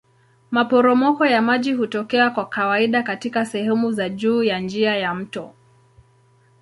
Maporomoko ya maji hutokea kwa kawaida katika sehemu za juu ya njia ya mto.